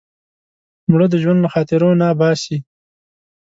مړه د ژوند له خاطرو نه باسې